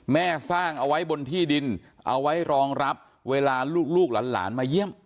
แม่สร้างเอาไว้บนที่ดินเอาไว้รองรับเวลาลูกหลานมาเยี่ยม